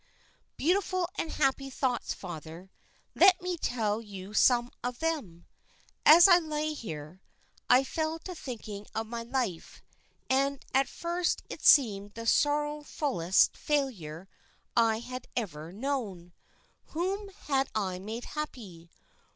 "Beautiful and happy thoughts, father; let me tell you some of them. As I lay here, I fell to thinking of my life, and at first it seemed the sorrowfullest failure I had ever known. Whom had I made happy?